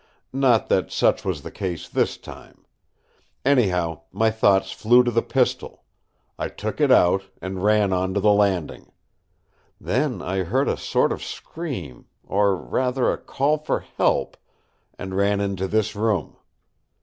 Not that such was the case this time. Anyhow my thoughts flew to the pistol. I took it out, and ran on to the landing. Then I heard a sort of scream, or rather a call for help, and ran into this room.